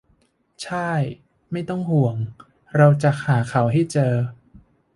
ช่าย ไม่ต้องห่วง เราจะหาเขาให้เจอ